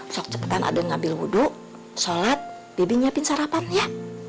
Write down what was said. sok cepetan aden ngambil wudhu sholat bebi nyiapin sarapan ya